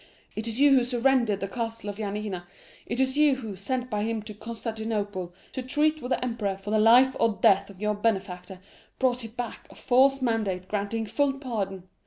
It is you who surrendered the castle of Yanina! It is you who, sent by him to Constantinople, to treat with the emperor for the life or death of your benefactor, brought back a false mandate granting full pardon!